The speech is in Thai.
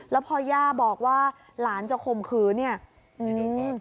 แล้วพอย่าบอกว่าหลานจะข่มขืนเนี้ยอืม